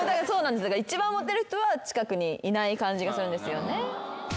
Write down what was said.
一番モテる人は近くにいない感じがするんですよね。